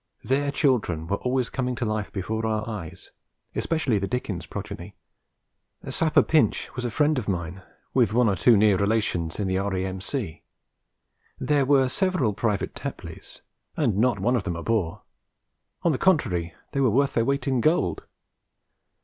Their children were always coming to life before our eyes, especially the Dickens progeny. Sapper Pinch was a friend of mine, with one or two near relations in the R.A.M.C. There were several Private Tapleys, and not one of them a bore; on the contrary, they were worth their weight in gold.